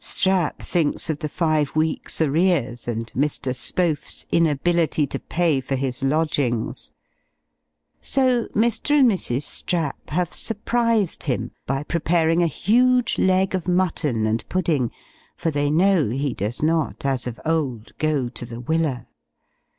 Strap thinks of the five weeks' arrears, and Mr. Spohf's inability to pay for his lodgings; so, Mr. and Mrs. Strap have surprised him, by preparing a huge leg of mutton and pudding; for they know he does not, as of old, go to the "Willer."